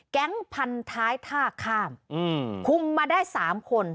แก๊งพันท้ายท่าข้ามคุมมาได้๓คน